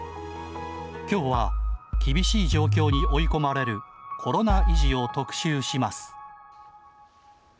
きょうは厳しい状況に追い込まれるコロナ遺児を特集します。